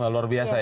luar biasa ya